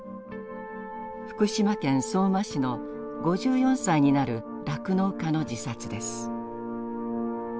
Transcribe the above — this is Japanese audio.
福島県相馬市の５４歳になる酪農家の自殺です。